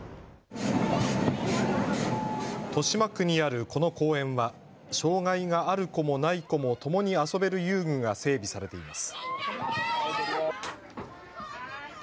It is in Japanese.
豊島区にあるこの公園は障害がある子もない子もともに遊べる遊具が整備されています。